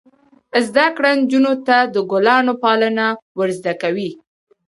زده کړه نجونو ته د ګلانو پالنه ور زده کوي.